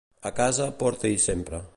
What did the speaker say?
A casa, porta-hi sempre.